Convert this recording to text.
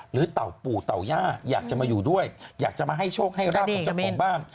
เต่าปู่เต่าย่าอยากจะมาอยู่ด้วยอยากจะมาให้โชคให้ราบของเจ้าของบ้าน